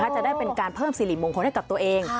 จะได้เป็นการเพิ่มสิริมงคลให้กับตัวเอง